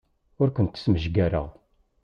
Ur kent-smejgareɣ.